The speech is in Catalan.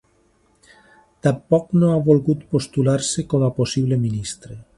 Tampoc no ha volgut postular-se com a possible ministre.